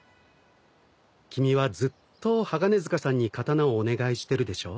君はずっと鋼鐵塚さんに刀をお願いしてるでしょ。